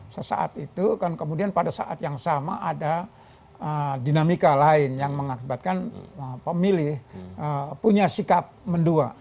sesaat itu kan kemudian pada saat yang sama ada dinamika lain yang mengakibatkan pemilih punya sikap mendua